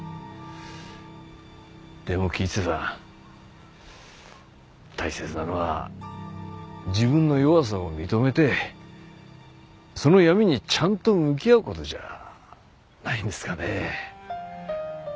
でも吉瀬さん大切なのは自分の弱さを認めてその闇にちゃんと向き合う事じゃないんですかね。